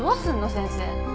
先生。